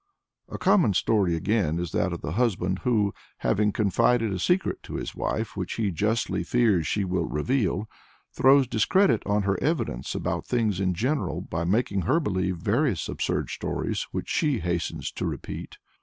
" A common story again is that of the husband who, having confided a secret to his wife which he justly fears she will reveal, throws discredit on her evidence about things in general by making her believe various absurd stories which she hastens to repeat.